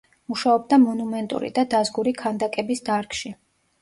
მუშაობდა მონუმენტური და დაზგური ქანდაკების დარგში.